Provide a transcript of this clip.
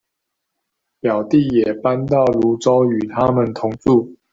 表弟也搬到蘆洲與他們同住